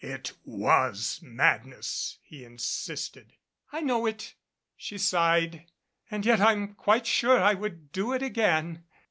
"It was madness," he insisted. "I know it," she sighed. "And yet I'm quite sure I would do it again."